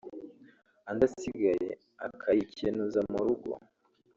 andi asigaye akayikenuza mu rugo